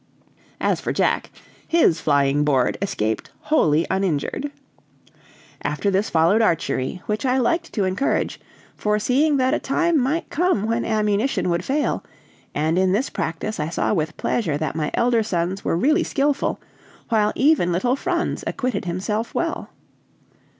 As for Jack, his flying board escaped wholly uninjured. After this followed archery, which I liked to encourage, foreseeing that a time might come when ammunition would fail; and in this practice I saw with pleasure that my elder sons were really skillful, while even little Franz acquitted himself well.